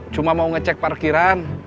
cuma mau ngecek parkiran